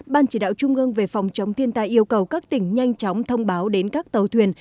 ban chỉ đạo trung ương về phòng chống thiên tai yêu cầu các tỉnh nhanh chóng thông báo đến các tàu thuyền